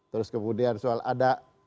terus kemudian soal ada